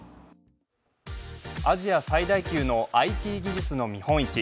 アジア最大級のＩＴ技術の見本市。